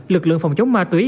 lực lượng phòng chống ma túy